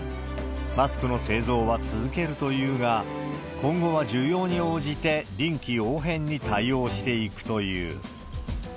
マスクの製造は続けるというが、今後は需要に応じて臨機応変に対応していくという。